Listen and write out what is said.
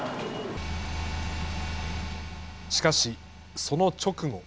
しかしその直後。